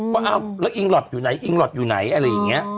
ว่าอ้าวแล้วอิงหลอดอยู่ไหนอิงหลอดอยู่ไหนอะไรอย่างนี้